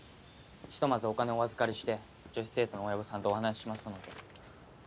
ひとまずお金をお預かりして女子生徒の親御さんとお話ししますので。